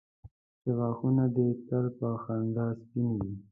چې غاښونه دي تل په خندا سپین وي.